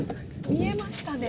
見えましたね。